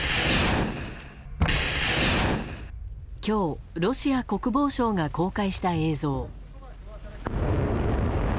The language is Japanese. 今日、ロシア国防省が公開した映像。